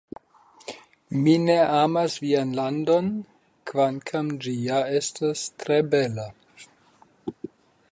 Mi ne amas vian landon, kvankam ĝi ja estas tre bela.